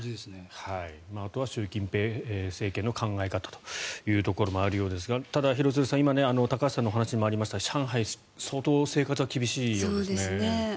あとは習近平政権の考え方ということもあるようですがただ、廣津留さん高橋さんのお話にもありましたが上海の生活は厳しいようですね。